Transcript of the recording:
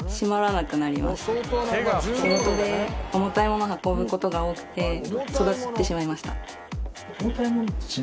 仕事で重たいもの運ぶ事が多くて育ってしまいました。